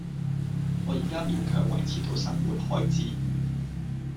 我而家勉強維持到生活開支